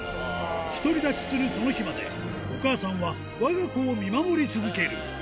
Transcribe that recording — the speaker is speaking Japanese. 独り立ちするその日まで、お母さんはわが子を見守り続ける。